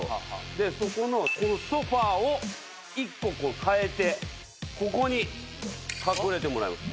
そこのこのソファを１個かえてここに隠れてもらいます。